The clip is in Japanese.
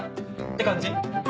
って感じ？